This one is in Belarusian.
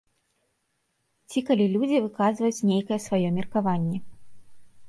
Ці калі людзі выказваюць нейкае сваё меркаванне.